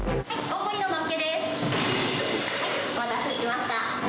お待たせしました。